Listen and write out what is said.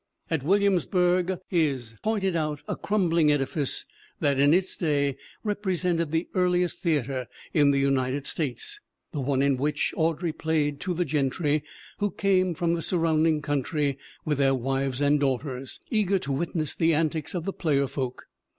At Williamsburg is pointed out a crumbling edifice that in its day represented the earli est theater in the United States, the one in which Audrey played to the gentry who came from the sur rounding country with their wives and daughters, eager to witness the antics of the player folk.